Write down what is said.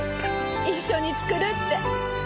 一緒に作るって。